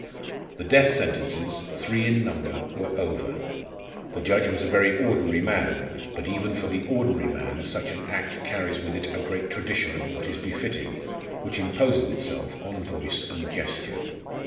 The death sentences three in number were over. The judge was a very ordinary man; but, even for the ordinary man, such an act carries with it a great tradition of what is befitting, which imposes itself on voice and gesture.